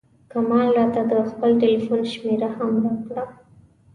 کمال راته د خپل ټیلفون شمېره هم راکړه.